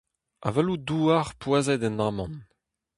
Avaloù-douar poazhet en amann.